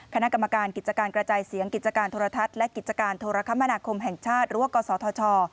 คณะกรรมการกิจการกระจายเสียงกิจการโทรทัศน์และกิจการโทรคมนาคมแห่งชาติหรือว่ากศธช